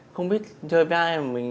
không biết chơi với ai